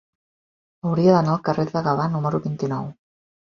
Hauria d'anar al carrer de Gavà número vint-i-nou.